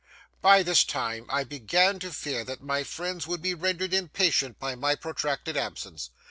By this time I began to fear that my friends would be rendered impatient by my protracted absence.